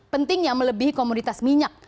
pentingnya melebihi komunitas minyak